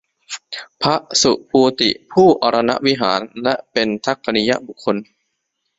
พระสุภูติ ผู้อรณวิหาร และเป็นทักขิไณยบุคคล